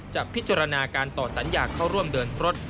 จะพิจารณาการต่อสัญญาเข้าร่วมเดินรถ